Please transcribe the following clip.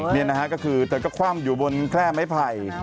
นี่นะฮะก็คือเธอก็คว่ำอยู่บนแคร่ไม้ไผ่